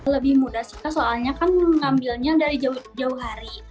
lebih mudah sih soalnya kan ngambilnya dari jauh jauh hari